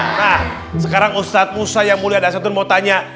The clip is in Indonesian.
nah sekarang ustadz musa yang mulia dan satun mau tanya